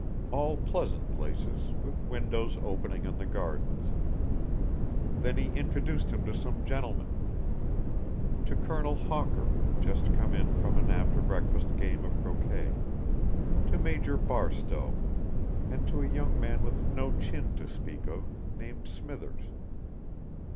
All pleasant places, with windows opening on the gardens. Then he introduced him to some gentlemen. To Colonel Hawker, just come in from an after breakfast game of croquet, to Major Barstowe, and to a young man with no chin to speak of, named Smithers.